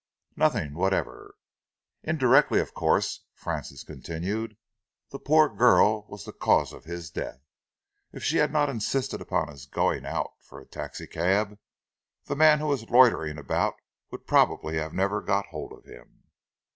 "Nothing whatever." "Indirectly, of course," Francis continued, "the poor girl was the cause of his death. If she had not insisted upon his going out for a taxicab, the man who was loitering about would probably have never got hold of him."